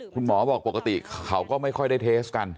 บอกปกติเขาก็ไม่ค่อยได้เทสกัน